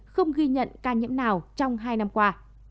không ghi nhận ca nhiễm nào trong hai năm qua